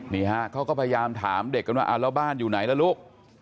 นี่ฮะเขาก็พยายามถามเด็กกันว่าแล้วบ้านอยู่ไหนล่ะลูก